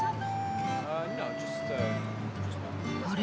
あれ？